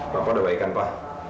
bapak udah baik kan pak